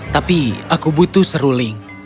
tapi aku butuh seruling